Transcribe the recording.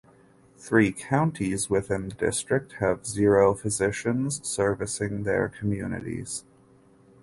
Three counties within the district have zero physicians servicing their communities.